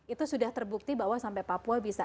itu sudah terbukti bahwa sampai papua bisa